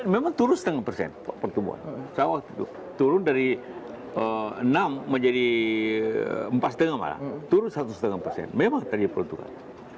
memang turun setengah persen pertumbuhan saya waktu itu turun dari enam menjadi empat lima turun satu lima persen memang tadi peruntukan